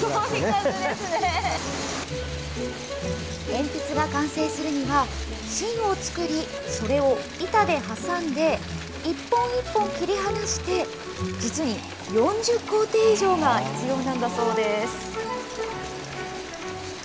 鉛筆が完成するには、芯を作り、それを板で挟んで、一本一本切り離して、実に４０工程以上が必要なんだそうです。